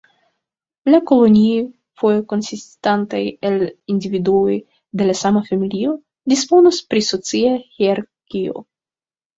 La kolonioj, foje konsistantaj el individuoj de la sama familio, disponas pri socia hierarkio.